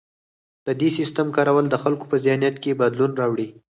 د دې سیستم کارول د خلکو په ذهنیت کې بدلون راوړي.